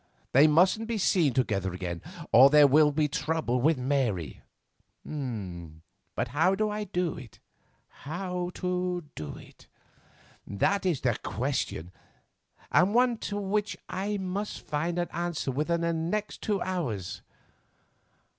They mustn't be seen together again, or there will be trouble with Mary. But how to do it? how to do it? That is the question, and one to which I must find an answer within the next two hours.